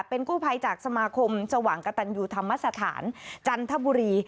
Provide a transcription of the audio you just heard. เป็นกู้ภัยจากสมาคมสว่างกระตันยูธรรมสถานจันทบุรี